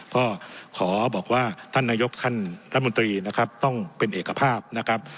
ก็ขอบอกว่าท่านนายกท่านรัฐมนตรีนะครับต้องเป็นเอกภาพนะครับ